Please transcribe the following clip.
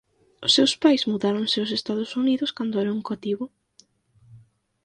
Os seus pais mudáronse ós Estados Unidos cando era un cativo.